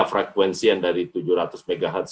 frekuensi yang dari tujuh ratus mhz